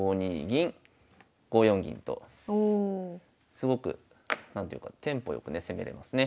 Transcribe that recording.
すごく何ていうかテンポ良くね攻めれますね。